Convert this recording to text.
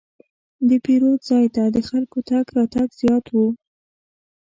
د پیرود ځای ته د خلکو تګ راتګ زیات و.